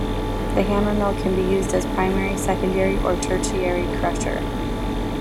The hammermill can be used as a primary, secondary, or tertiary crusher.